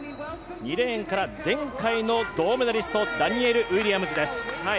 ２レーンから前回の銅メダリスト、ダニエル・ウィリアムズです。